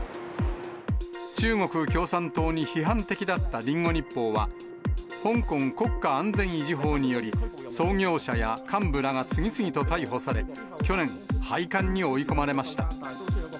中国共産党に批判的だったリンゴ日報は、香港国家安全維持法により、創業者や幹部らが次々と逮捕され、去年、廃刊に追い込まれました。